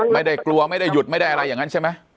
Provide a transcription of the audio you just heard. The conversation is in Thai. ไม่ได้กลัวไม่ได้หยุดไม่ได้อะไรอย่างนั้นใช่ไหม